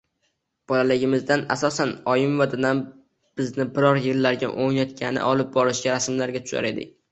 Bolaligimizda asosan oyim va dadam bizni biror yerlarga oʻynatgani olib borishsa rasmlarga tushar edik.